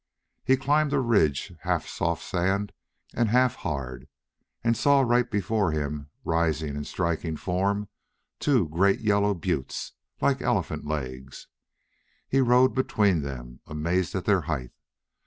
He climbed a ridge, half soft sand and half hard, and saw right before him, rising in striking form, two great yellow buttes, like elephant legs. He rode between them, amazed at their height.